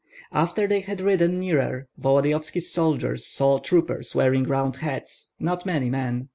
After they had ridden nearer, Volodyovski's soldiers saw troopers wearing round hats, not many men.